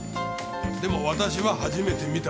でも私は初めて見た。